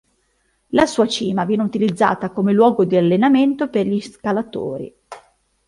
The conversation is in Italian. La sua cima viene utilizzata come luogo di allenamento per gli scalatori.